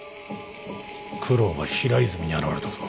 九郎が平泉に現れたぞ。